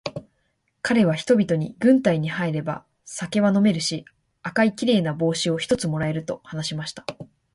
かれは人々に、軍隊に入れば酒は飲めるし、赤いきれいな帽子を一つ貰える、と話しました。